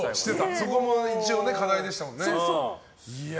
そこが課題でしたもんね。